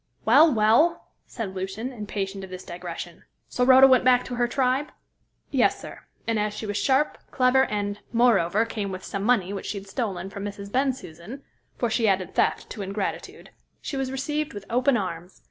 "Well! well!" said Lucian, impatient of this digression. "So Rhoda went back to her tribe?" "Yes, sir; and as she was sharp, clever, and, moreover, came with some money which she had stolen from Mrs. Bensusan for she added theft to ingratitude she was received with open arms.